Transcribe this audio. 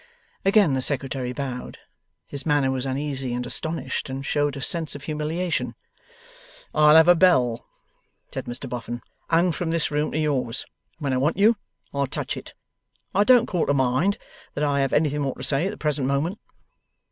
Again the Secretary bowed. His manner was uneasy and astonished, and showed a sense of humiliation. 'I'll have a bell,' said Mr Boffin, 'hung from this room to yours, and when I want you, I'll touch it. I don't call to mind that I have anything more to say at the present moment.